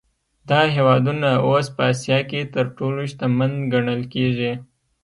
دا هېوادونه اوس په اسیا کې تر ټولو شتمن ګڼل کېږي.